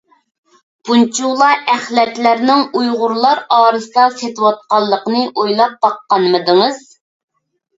بۇنچىۋالا ئەخلەتلەرنىڭ ئۇيغۇرلار ئارىسىدا سېتىلىۋاتقانلىقىنى ئويلاپ باققانمىدىڭىز؟